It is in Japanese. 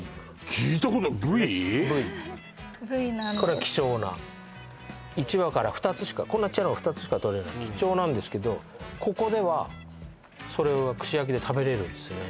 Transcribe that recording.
これは希少な１羽から２つしかこんなちっちゃいのが２つしかとれない貴重なんですけどここではそれが串焼きで食べれるんですね